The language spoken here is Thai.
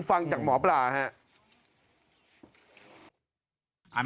ฟังจากหมอปลาครับ